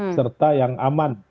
serta yang aman